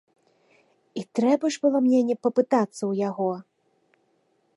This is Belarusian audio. І трэба ж было мне не папытацца ў яго?